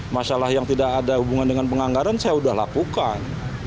masalah yang tidak ada hubungan dengan penganggaran saya sudah lakukan